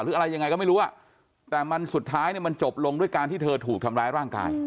หรืออะไรยังไงก็ไม่รู้อ่ะแต่มันสุดท้ายเนี่ยมันจบลงด้วยการที่เธอถูกทำร้ายร่างกาย